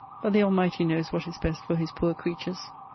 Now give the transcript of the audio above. But the Almighty knows what is best for his poor creatures.